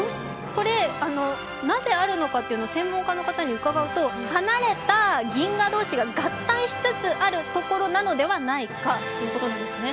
これがなせがあるのか専門家に伺ったところ、離れた銀河同士が合体しつつあるところなのではないかということなんですね。